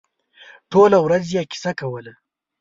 ټوله ورځ یې کیسه کوله.